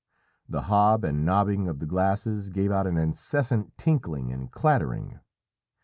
The hob and nobbing of the glasses gave out an incessant tinkling and clattering.